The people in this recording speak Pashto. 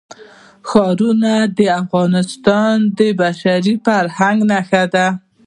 ښارونه د افغانستان د بشري فرهنګ برخه ده.